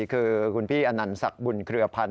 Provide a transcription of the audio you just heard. คือคุณพี่อานันสักบุญเคลือพันธ์